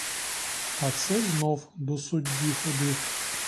А це знов до судді ходив.